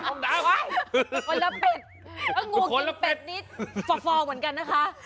คนละเป็ดงูกินเป็ดนิดฟอร์เหมือนกันนะคะ